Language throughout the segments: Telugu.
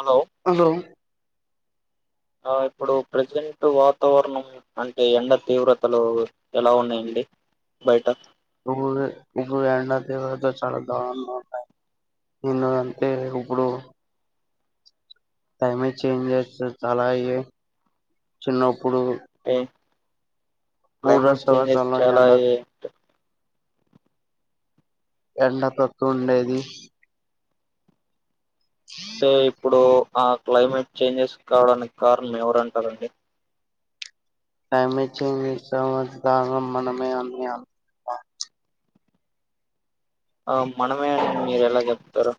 హలో హలో ఆ ఇప్పుడు ప్రజెంట్ వాతావరణం అంటే ఎండ తీవ్రతలు ఎలా ఉన్నాయండి బయట ఇడు ఇప్పుడు ఎండ తీవ్రత చాలా దారుణంగా ఉన్నాయి ఎందుకంటే ఇప్పుడు క్లైమేట్ చేంజ్ అయితది అలాగే చిన్న అ పూర్వ క్లైమేట్ చేంజెస్ సంవత్సరంలో చాలా ఎండ ఎండ తతు ఉండేది అంటే ఇప్పుడు ఆ క్లైమేట్ చేంజెస్ కావడానికి కారణం ఎవరంటారండి టమిచంగ్ ని సవ దనం మనమే అన్ని ఆచం ఆ మనమే అని మీరు ఎలా చెప్తారు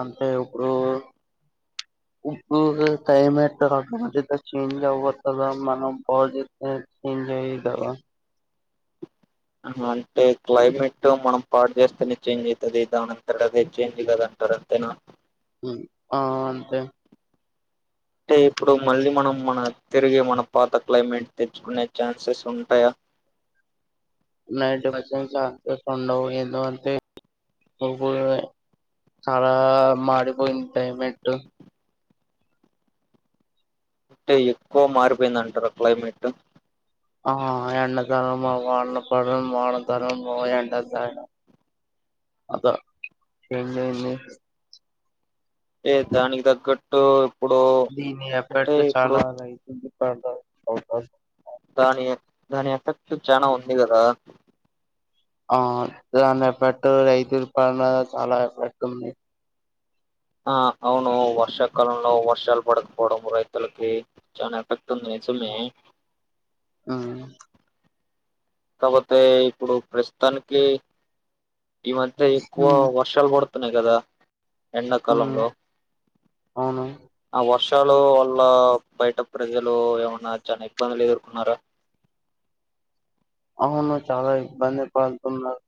అంటే ఇప్పుడు ఇప్పుడు క్లైమేట్ చేంజ్ అవ్వతుందా మన బాడీ చేంజ్ అయ కదా అంటే క్లైమేట్ మనం పాటు చేస్తేనే చేంజ్ అవుతుది దానింతర అదే చేంజ్ కదంటారు అంతేనా ఆ అంతే అంటే ఇప్పుడు మళ్ళీ మనం మన తిరిగిే మన పాత క్లైమేట్ తెచ్చుకునే ఛాన్సెస్ ఉంటాయా నైసస్ ఉండవు ఎందు అంటే చాలా మాడిపోయింటామెంట్ అంటే ఎక్కువ మారిపోయిందింటారు క్లైమేట్ ఆ ఎన్న తరం పో అన్న పడం వాన తరం పో ఎండ త అదా ఎన్న ఏ దానికి తగ్గట్టు ఇప్పుడు దీని అంటే అప్పట్లో ఇప్పుడు చాలా అలా అవుతుంది బంటవు దాని దాని ఎఫెక్ట్ చనా ఉంది కదా ఆ దాన్నిపాట్ రైతుల పాలన చాలా ఏపట్ంది ఆ అవును వర్షాకాలంలో వర్షాలు పడకపోవడం రైతులకి చనా పతున్నా సున్నా ఉమ్ కాపోతే ఇప్పుడు ప్రస్తుతానికి ఈ మద్య ఎక్కువ ఉమ్ వర్షాలు పడుత్ తున్నయ్ కదా ఎండ ఉమ్. కాలంలో అవును ఆ వర్ష్ షాలు వల్ల బయట ప్రజలు ఏమన్నా చాన ఇబ్బందులు ఎదుర్కున్నారా అవును చాలా ఇబ్బంది పడుతున్నారు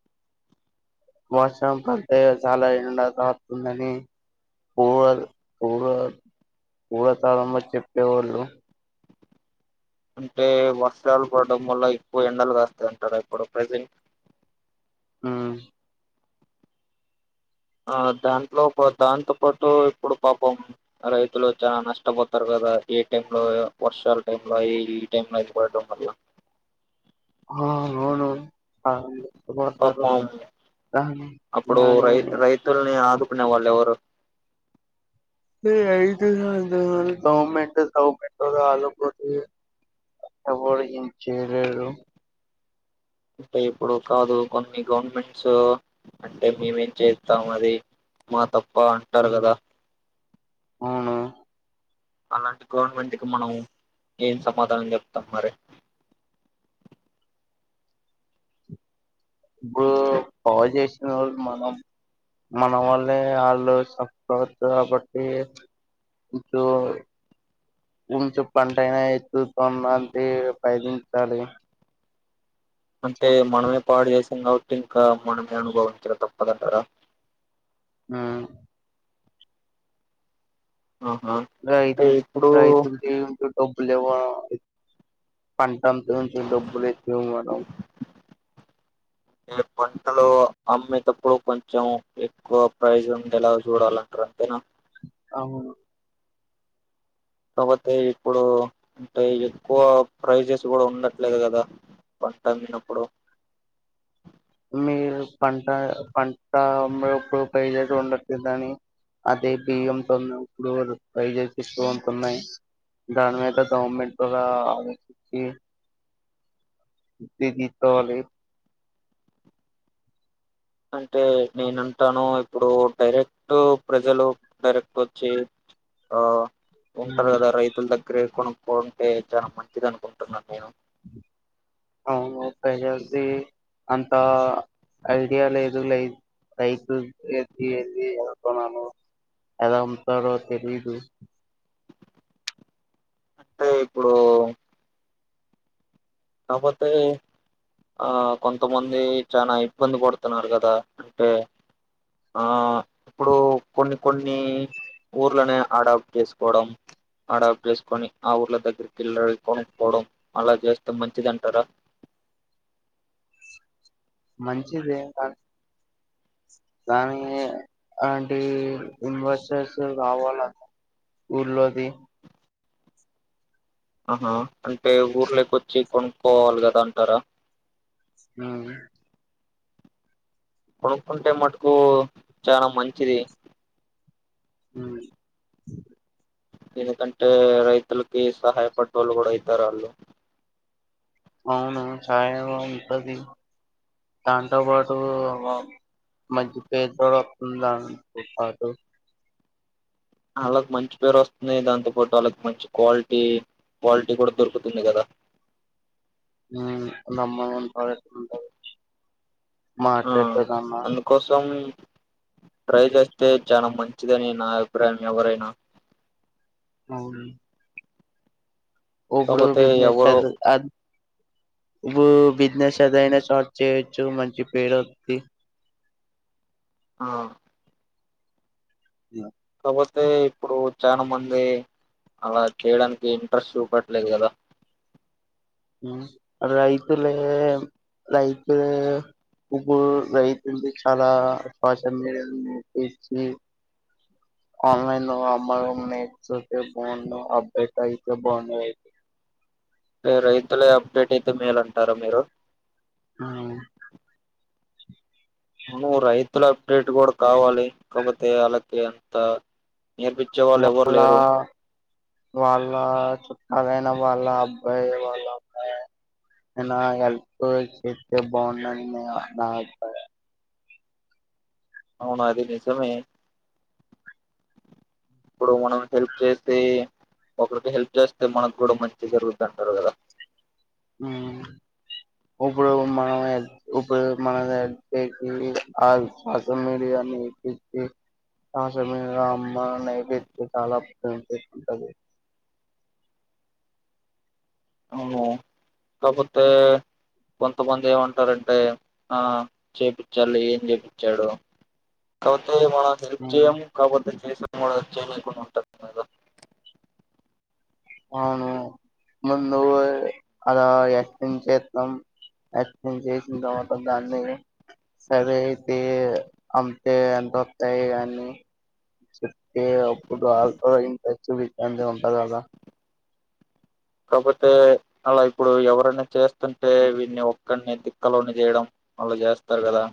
వర్షం పడ్తే చాలా ఎండ కస్తుందని పూవ పూ పూవకాలంలో చెప్పేవాళ్ళు అంటే వర్షాలు పడటడం వల్ల ఎక్కువ ఎండలు కాస్తాయంటార ఇప్పుడు ప్రెజెంట్ హమ్ ఆ దాంట్లోప దాంతో పాటు ఇప్పుడు పాపం రైతులు చాలా నష్టపోతారు కదా ఏ టైం లో వర్షాల టైం లో ఈ టైం లో అయి పడటం వల్ల ఆ అవునవును పాపం కానీ అప్పుడు దాని రై రైతుల్ని ఆదు కునే వాళ్ళెవరూ [unintelligible] అంటే ఇప్పుడు కాదు కొన్ని గవర్నమెంట్స్ అంటె మేమేం చేత్తం అది మా తప్పు అవును అలాంటి గవర్నమెంట్ కి మనం ఏం సమాధానం చెప్తం మరి ఇప్పుడు బాగు చేసిన వాళ్ళు మనం మన వాల్లే వాళ్ళు సఫట్ అవచ్చు కాబట్టి కొంచ కొంచెం పంట అయినా ఎతుతున్నది బయదించాలి [unintelligible] అంటే మనమే పాడు చేసాం కాబట్టి ఇంకా మనమే అనుభవించాల తప్పదంటారా మ్ ఆహా అంటే రైతు ఇప్పుడు రైతు భీ ఉం డబ్బులివ్వా పంటంతంచి డబ్బులు ఎక్కువ మనం [unintelligible] పంటలు అమ్మేటప్పుడు కొంచెం ఎక్కువ ప్రైజ్ ఉండేలాగ చూడాలంటారు అంతేనా అవును కాపోతే ఇప్పుడు అంటే ఎక్కువ ప్రైజెస్ కూడా ఉండట్లేదు కదా పంటమ్మినప్పుడు మీరు పంట పంట ఇప్పుడు పైజేస్ ఉండట్లేని అదే బియ్యంతో ఇప్పుడు ప్రైసెస్ ఎక్కువగా ఉంటున్నాయి దాని మీద గవర్నమెంట్ కూడా ఆలోచించి తీ తీసుకోవాలి అంటే నేను అంటాను ఇప్పుడు డైరెక్ట్ ప్రజలు డైరెక్ట్ ఒచ్చి ఆ ఉంటారు ఉమ్, కదా రైతుల దగ్గరే కొనుక్ కుంటే చాల మంచిది అనుకుంటున్నాను నేను అవును ప్రజల్సి అంత ఐడియా లేదు లై రైతుది ఎదుతున్నాను ఎలా ఉంటారో తెలీదు అంటే ఇప్పుడూ కాపోతే ఆ కొంతమంది చాలా ఇబ్బంది పడుతున్నారు కదా అంటే ఆ ఇప్పుడు కొన్ని కొన్ని ఊర్లనే అడాప్ట్ చేసుకోవడం అడాప్ట్ చేసుకొని ఆ ఊర్ల దగ్గరకెళ్ళే కొనుక్కోడం అలా చేస్ కోటం మంచిది అంటారా మంచిది ఎంకాదు కానీ అలాంటి ఇన్వెస్టర్స్ కావాలా ఊర్లోది ఆహా అంటే ఊర్లోకోచ్చి కొన్ పోవాలి కదా అంటార హ్మ్ కొనుక్కుంటే మట్టుకు చానా మంచిది మ్ ఎందుకంటే రైతులకి సహాయపడ్డోళ్ళు కూడా అయితారాళ్ళు అవును చఛాయగా ఉంటది దాంతో పాటు మధ్య పేద వస్తుంది దా పాటు [unintelligible] ఆళ్ళకి మంచి పేరు వస్తుంది దాంతో పాటు వాళ్ళకి మంచి క్వాలిటీ క్వాలిటీ కూడా దొరుకుతుంది కదా అవును నంబర్ వన్ క్వాలిటీ ఉంటది ఆ మాట్లాడుతదమ్మా అందుకోసం ట్రై చేస్తే చానా మంచిదని నా అభిప్రాయం ఎవరైనా అవును ఉబడు కాకపోతే బిజినెస్ ఎవరు అద్ అధ్ నువ్వు బిజినెస్ ఏదైనా స్టార్ట్ చేయొచ్చు మంచి పేరు వద్ది ఆ పోతే ఇప్పుడు చాలా మంది అలా చేయడానికి ఇంట్రెస్ట్ చూపట్లేదు కదా రైతులే రైతులే ఇప్పుడు రైతుది చాలా సోషల్ మీడియా తెచ్చి ఆన్లైన్ లో అమ్మ నేర్చితే అయితే బాగుండు అబ్బట్ అయితే బాగుండు ఏ రైతులే అప్డేట్ అయితే మేలు అంటారా మీరు హ్మ్ నువ్ రైతుల అప్డేట్ కూడా కావాలి కాకపోతే ఆళ్ళకి అంత నేర్పించే వాళ్ళు ఎవరు వాళ్ళ లేరు వాళ్ళ చుట్టాలయిన వాళ్ళ అబ్బాయి వాళ్ళ అమ్మాయి ఏవయినా హేల్ప్ చేస్తే బాగుండనీ నా అభిపాయం అవునది నిజమే ఇప్పుడు మనం హెల్ప్ చేస్తే ఒకరికి హెల్ప్ చేస్తే మనకు కూడా మంచి జరుగుద్ది అంటారు కదా హ్మ్ ఇప్పుడు మనం ఇప్పుడు మనం చేసి ఆ సోషల్ మీడియా నేర్పించి సోషల్ మీడియాలో అమ్మాలని ఐడియా [unintelligible] అవును కాపోతే కొంతమంది ఏమంటారంటే ఆ చెప్పిచాడ్ లే ఏం చెప్పించాడు కాపో తే మనం హెల్ప్ ఉమ్, చేయము కాపోతే చేసాము కూడ చేయలేకుంటారు ఉంటరు కొం అవును ముందు అలా ఎస్ం చేత్నం చేసిన తర్వాత దాన్ని సరే అయితే అే ఎంత వస్తాయి అని చె అే అప్పుడు ఆ తర ఇంతా చూంతం పదబా కాకపోతే అలా ఇప్పుడు ఎవరైనా చేస్తుంటే వీన్ని ఒక్కడిని దిక్కలోని చేయడం వాళ్ళు చేస్తారు కదా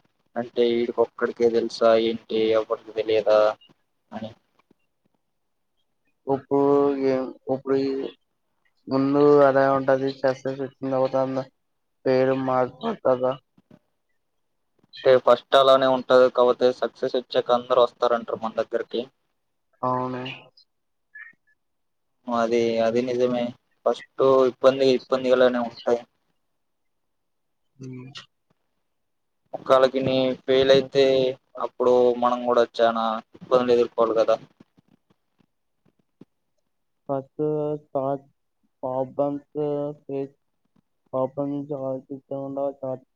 అంటే వీడికి ఒక్కడికి తెలుసా ఏంటి ఎవరికి తెలియదా అని ఇప్పుడు గ ఇప్పుడు ముందు అలా ఉంటది చెస వచ్చిన తర్వాత పేరు మచపోతుంద అంటే ఫస్ట్ అలానే ఉంటది కాబపోతే సక్సెస్ వచ్చాక అందరు వస్తారంటారు మన దగ్గరకి అవును అది అది నిజమే ఫస్ట్ ఇబ్బంది ఇబ్బందిలునే ఉంటాయి అ కాల దని ఫెయిల్ అయితే ఫస్ట్ అప్పుడు మనం కూడా వచ్చానాలు ఎదుర్కోవాలి కదా ార్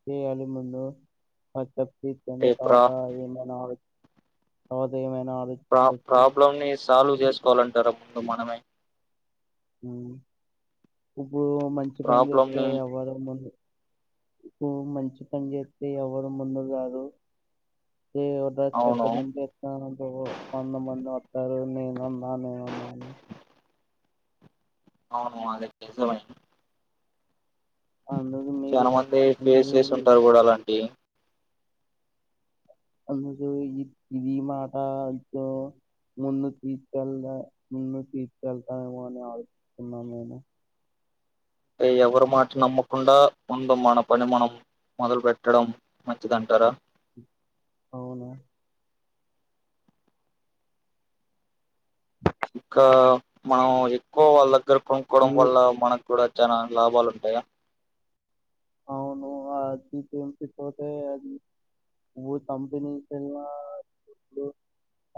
చేయాలి ముందు స త అంటే ప్రా కాత ఏ మనా అవుద ఏమే ప్రా ప్రాబ్లమ్నిస్ సాల్వ్ చేసుకోవాలంటారా ముందు మనమే అ [inaudible] ఇప్పుడు మంచి పని ప్రాబ్లమ్ చేస్తే ని ఎవ్వడం ముందు ఇప్పు మంచి పని జెతే ఎవరు ముందు రారు పెద్ద అవును మంది మ మ [inaudible] సారు నేనున్నా నేను ఉన్నాను అవును అదే కేసమై అందుకు మీరు చానా మంది కెస్ అందుకు లెస్ ఉంటాయ్ చూడు అలాంటి అందుకు ఈ ఇది మాట తో ముందు తీసుకెళ్దా ముందు తీసుకెళ్తాము అని ఆలోచస్తున్నా నేను అ ఎవరి మాట నమ్మకుండా ముందు మన పని మనం మొదలు పెట్టడం మంచిదంటారా అవును ఇంకా మనం ఎక్కువ వాళ్ళ దగ్గర ఈ కోనుకోవడం వల్ల మనకు కూడా చానా లాభాలు ఉంటాయా అవును అది ఉంచిపోతే అది ఒ కంపెనీకె తెల్వదు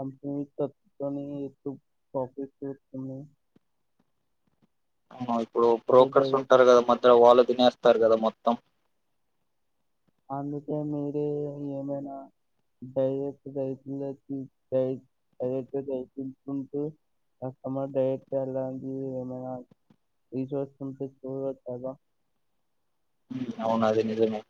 కంపెనీకని ఎ ప్రాఫిట్ చేస్తుంది అవునవును ఇప్పుడు బ్రోకర్స్ ఉంటారు కదా మధ్యలో వాళ్ళు తినేస్ తారు కదా మొత్తం అందుకే మీరే ఏమైనా డైరెక్ట్ రైతులకు డైరెక్ట్ దైంచుకుంటూ కస్టమర్ డైరెక్ట్ అలాంటి ఏమైనా రసంటే చూడచ్చకదా అవును అదే నిజమే